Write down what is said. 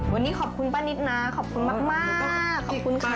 วันนี้ขอบคุณป้านิตนะขอบคุณมากขอบคุณค่ะ